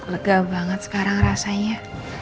lega banget sekarang rasanya